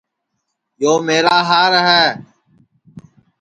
یو میرا ہار ہے